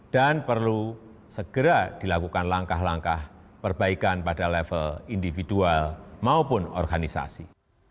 dan perlu segera dilakukan langkah langkah perbaikan pada level individual maupun organisasi